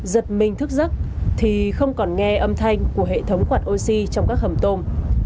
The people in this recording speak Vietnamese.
giật mình thức giấc thì không còn nghe âm thanh của hệ thống quạt oxy trong các hầm tôm